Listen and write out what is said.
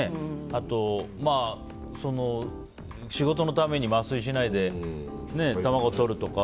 あと、仕事の度に麻酔をしないで卵採るとか。